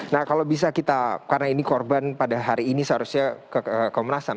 nah kalau bisa kita karena ini korban pada hari ini seharusnya ke komnas ham